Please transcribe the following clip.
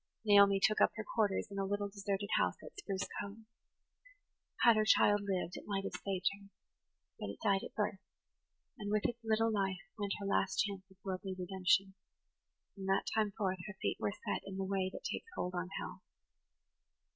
Naomi took up her quarters in a little deserted house at Spruce Cove. Had her child lived it might have saved her. But it died at birth, and with its little life went her last chance of worldly redemption. From that time forth her feet were set in the way that takes hold on hell.